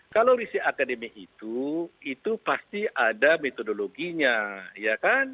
kalau riset akademik itu itu pasti ada metodologinya